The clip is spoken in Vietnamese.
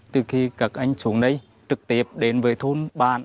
từ khi các anh xuống đây trực tiếp đến với thôn bản